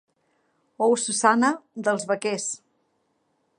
"Oh, Susanna!" dels vaquers.